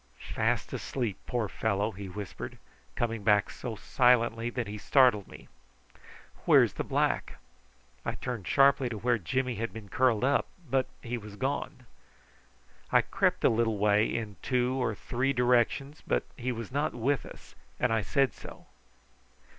"Fast asleep, poor fellow!" he whispered, coming back so silently that he startled me. "Where's the black?" I turned sharply to where Jimmy had been curled up, but he was gone. I crept a little way in two or three directions, but he was not with us, and I said so.